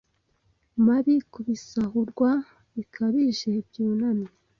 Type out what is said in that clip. mabi Kubisahurwa bikabije byunamye